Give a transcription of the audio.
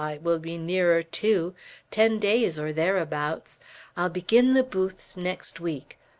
It will be nearer two; ten days or thereabouts. I'll begin the booths next week.